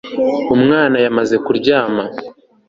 Umwana yamaze kuryama